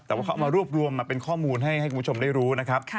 แต่ว่าเขาเอามารวบรวมมาเป็นข้อมูลให้คุณผู้ชมได้รู้นะครับ